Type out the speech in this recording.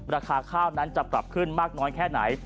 ราคาข้าวนั้นจะปรับขึ้นมากน้อยแค่ไหน